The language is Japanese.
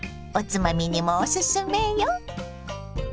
おつまみにもおすすめよ。